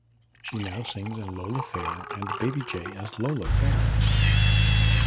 She now sings in Lola Fair and Baby J as Lola Fair.